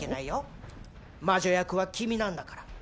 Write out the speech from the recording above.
魔女役は君なんだから。